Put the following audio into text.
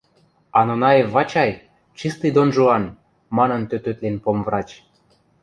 А Нонаев Вачай — чистый Дон-Жуан, — манын тӧтӧтлен помврач.